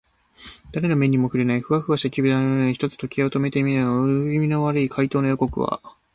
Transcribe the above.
だれの目にもふれない、フワフワした気体のようなものになって、一つ一つ時計を止めてまわったのでしょうか。うすきみの悪い怪盗の予告は、